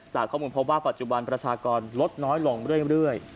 จากข้อมูลพบว่าปัจจุบันประชากรลดน้อยลงเรื่อย